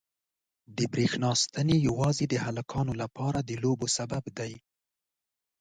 د برېښنا ستنې یوازې د هلکانو لپاره د لوبو سبب دي.